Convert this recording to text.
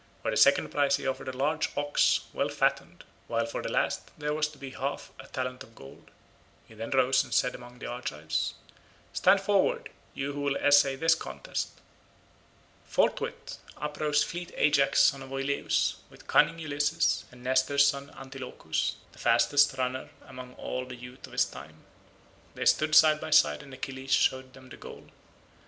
For the second prize he offered a large ox, well fattened, while for the last there was to be half a talent of gold. He then rose and said among the Argives, "Stand forward, you who will essay this contest." Forthwith uprose fleet Ajax son of Oileus, with cunning Ulysses, and Nestor's son Antilochus, the fastest runner among all the youth of his time. They stood side by side and Achilles showed them the goal.